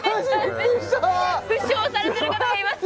負傷されてる方がいます！